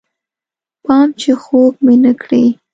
پام چې خوږ مې نه کړې